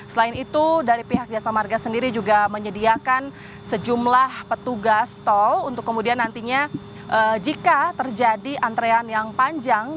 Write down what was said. selain itu dari pihak jasa marga sendiri juga menyediakan sejumlah petugas tol untuk kemudian nantinya jika terjadi antrean yang panjang